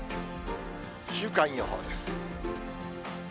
週間予報です。